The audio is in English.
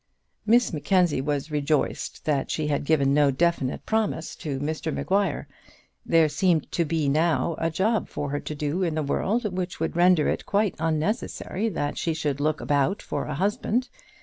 Miss Mackenzie was rejoiced that she had given no definite promise to Mr Maguire. There seemed to be now a job for her to do in the world which would render it quite unnecessary that she should look about for a husband.